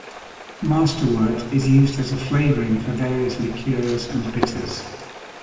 Masterwort is used as a flavouring for various liqueurs and bitters.